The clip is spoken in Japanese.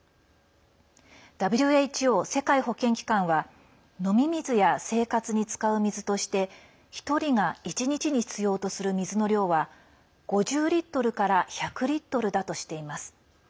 ＷＨＯ＝世界保健機関は飲み水や生活に使う水として１人が１日に必要とする水の量は５０リットルから１００リットルだとしています。